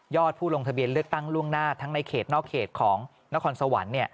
ผู้ลงทะเบียนเลือกตั้งล่วงหน้าทั้งในเขตนอกเขตของนครสวรรค์